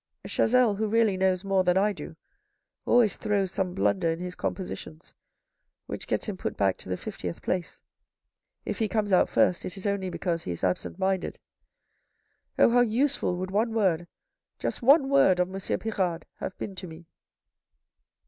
Chazel, who really knows more than I do, always throws some blunder in his compositions which gets him put back to the fiftieth place. If he comes out first, it is only because he is absent minded. O how useful would one word, just one word, of M. Pirard, have been to me."